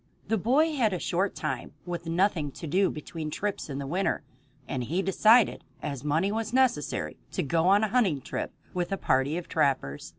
The boy had a short time with nothing to do between trips in the winter, and he decided, as money was necessary, to go on a hunting trip with a party of trappers.